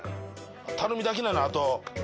たるみだけなのあと。